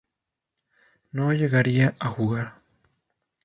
No llegaría a jugar.